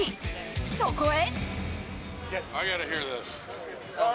そこへ。